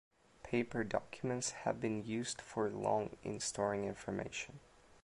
Paper documents have been used for long in storing information.